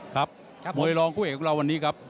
ครับมวยรองคู่เอกของเราวันนี้ครับ